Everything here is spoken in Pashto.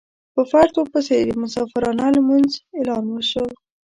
په فرضو پسې د مسافرانه لمانځه اعلان وشو.